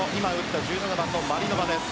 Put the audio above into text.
１７番のマリノバです。